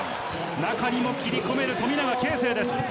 中にも切り込める富永啓生です。